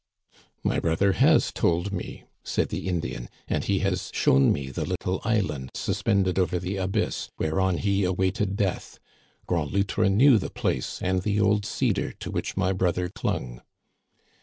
" My brother has told me," said the Indian, " and he has shown me the little island suspended over the abyss, whereon he awaited death. Grand Loutre knew the place and the old cedar to which my brother clung."